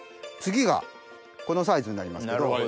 次がこのサイズになりますけど。